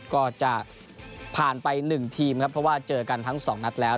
ก็จะผ่านไป๑ทีมครับเพราะว่าเจอกันทั้งสองนัดแล้ว